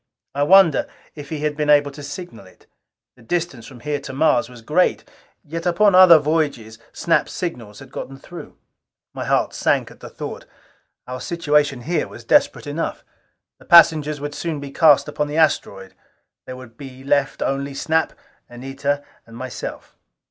I wondered if he had been able to signal it. The distance from here to Mars was great; yet upon other voyages Snap's signals had gotten through. My heart sank at the thought. Our situation here was desperate enough. The passengers soon would be cast upon the asteroid: there would be left only Snap, Anita and myself.